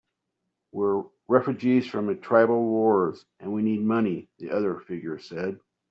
"We're refugees from the tribal wars, and we need money," the other figure said.